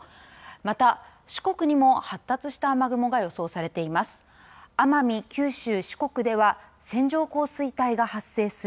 また、四国にも発達した雨雲が予想されています。